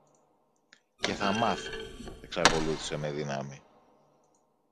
Και θα μάθω, εξακολούθησε με δύναμη.